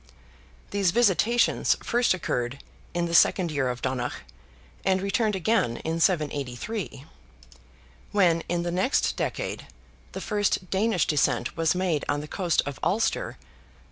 These visitations first occurred in the second year of Donogh, and returned again in 783. When, in the next decade, the first Danish descent was made on the coast of Ulster (A.